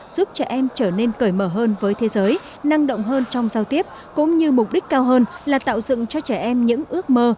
giúp trẻ em trở nên cởi mở hơn với thế giới năng động hơn trong giao tiếp cũng như mục đích cao hơn là tạo dựng cho trẻ em những ước mơ